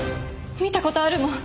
見た事あるもん。